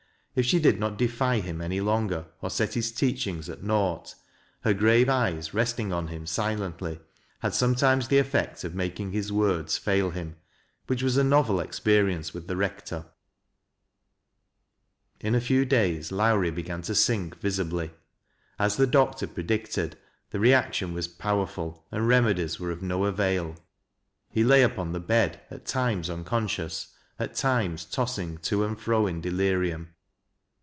If she did not defy him any longer or set liis teachings at naught, her grave eyes, resting on him silently, had sometimes the effect of making his words fail him ; which was a novel experience with the rector. In a few days Lowrie began to sink visibly. As the ilactor predicted, the reaction was powerful, and remedies were of no avail. He lay upon the bed, at tiir.os uncon cious, at times tossing to and fro in delirium.